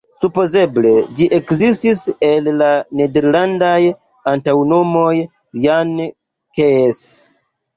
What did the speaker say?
Supozeble ĝi ekestis el la nederlandaj antaŭnomoj "Jan-Kees".